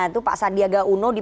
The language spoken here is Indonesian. itu pak sandiaga wadid